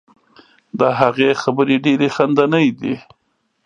د هغې خبرې ډیرې خندنۍ دي.